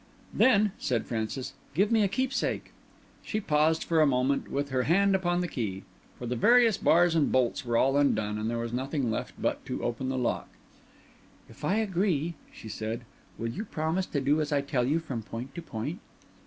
"Then," said Francis, "give me a keepsake." She paused for a moment, with her hand upon the key; for the various bars and bolts were all undone, and there was nothing left but to open the lock. "If I agree," she said, "will you promise to do as I tell you from point to point?"